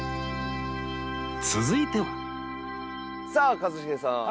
続いてはさあ一茂さん